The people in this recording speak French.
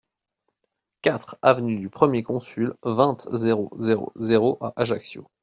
quatre avenue du Premier Consul, vingt, zéro zéro zéro à Ajaccio